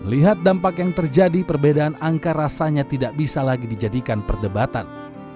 lihat dampak yang terjadi perbedaan angka rasanya tidak bisa lagi dijadikan perdebatan